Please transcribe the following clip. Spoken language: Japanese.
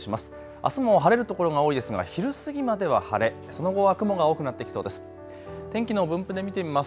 あすも晴れる所が多いですが昼過ぎまでは晴れ、その後は雲が多くなってきそうです。